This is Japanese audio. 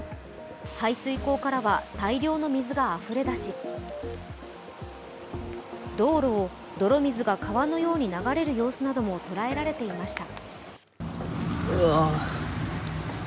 排水溝からは大量の水があふれだし道路を泥水が川のように流れる様子なども捉えられていました。